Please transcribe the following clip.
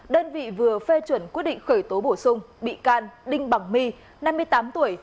đơn vị vừa phê chuẩn quyết định khởi tố bổ sung bị can đinh bằng my năm mươi tám tuổi